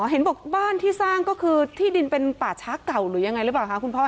เห็นบอกบ้านที่สร้างก็คือที่ดินเป็นป่าช้าเก่าหรือยังไงหรือเปล่าคะคุณพ่อ